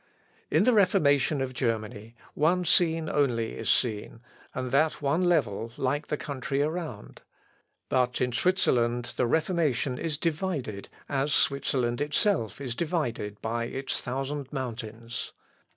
In the Reformation of Germany, one scene only is seen, and that one level like the country around; but in Switzerland, the Reformation is divided, as Switzerland itself is divided by its thousand mountains.